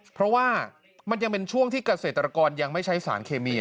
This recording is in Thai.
เพราะว่ามันยังเป็นช่วงที่เกษตรกรยังไม่ใช้สารเคมี